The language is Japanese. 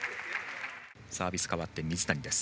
サービス変わって、水谷です。